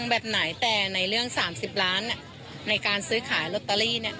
แบบไหนแต่ในเรื่อง๓๐ล้านในการซื้อขายลอตเตอรี่เนี่ย